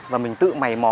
và mình tự mày mò